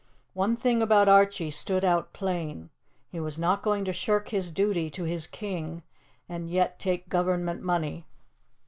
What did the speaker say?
One thing about Archie stood out plain he was not going to shirk his duty to his king and yet take Government money.